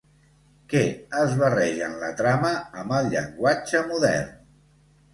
Què es barreja en la trama amb el llenguatge modern?